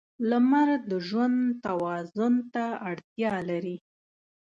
• لمر د ژوند توازن ته اړتیا لري.